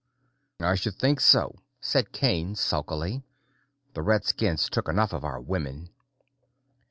"I should think so," said Kane sulkily. "The redskins took enough of our women."